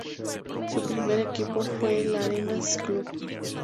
Su primer equipo fue el Arenas Club.